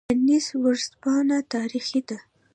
انیس ورځپاڼه تاریخي ده